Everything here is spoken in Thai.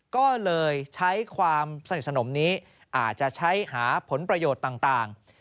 ก็เลยใช้ความสนิทสนมนี้อาจจะใช้หาผลประโยชน์ต่าง